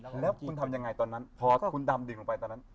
แล้วคุณทำยังไงตอนนั้นพอคุณดำดิ่งออกไป